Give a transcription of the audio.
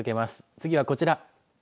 次はこちら。